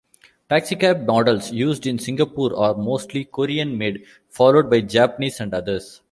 Taxicab models used in Singapore are mostly Korean-made, followed by Japanese and others.